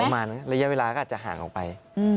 ประมาณระยะเวลาก็อาจจะห่างออกไป